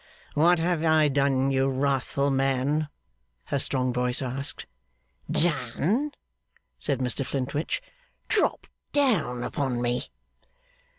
'What have I done, you wrathful man?' her strong voice asked. 'Done?' said Mr Flintwinch. 'Dropped down upon me.